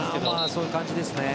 そういう感じですね。